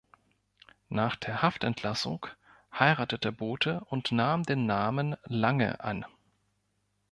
Nach der Haftentlassung heiratete Bothe und nahm den Namen Lange an.